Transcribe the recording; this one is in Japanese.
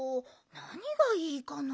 なにがいいかな？